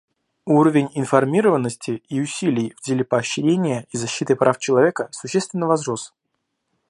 Уровень информированности и усилий в деле поощрения и защиты прав человека существенно возрос.